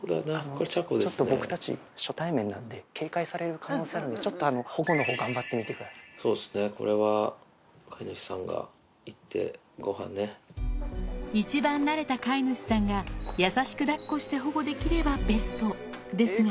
これ、ちゃこで僕たち初対面なんで、警戒される可能性があるので、ちょっと保護のほう、頑張ってみてくださそうですね、これは飼い主さんが行って、一番なれた飼い主さんが、優しくだっこして保護できればベストですが。